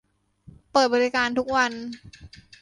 เปิดบริการทุกวัน